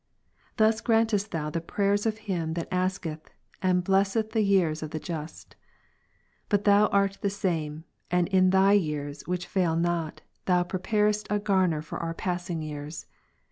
Thus grantest Thou the prayers of him that 39. . Ps. 5,12. asketh, and blessest thejeavsoithejust ; but Thou art the same, Ps. 102, and in Thy years \\\\\c\\fail not. Thou preparest a garner for our passing years.